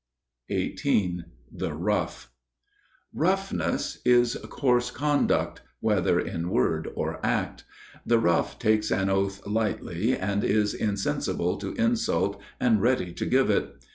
XVIII The Rough (Ἀπόνοια) Roughness is coarse conduct, whether in word or act. The rough takes an oath lightly and is insensible to insult and ready to give it.